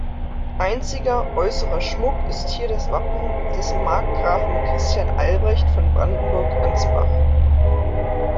Einziger äußerer Schmuck ist hier das Wappen des Markgrafen Christian Albrecht von Brandenburg-Ansbach.